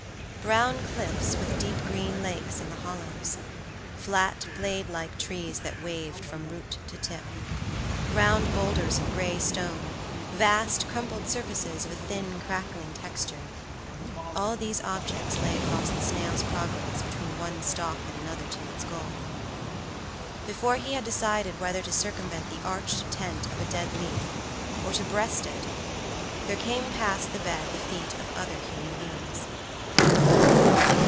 Brown cliffs with deep green lakes in the hollows, flat, blade like trees that waved from root to tip, round boulders of grey stone, vast crumpled surfaces of a thin crackling texture—all these objects lay across the snail's progress between one stalk and another to his goal. Before he had decided whether to circumvent the arched tent of a dead leaf or to breast it there came past the bed the feet of other human beings.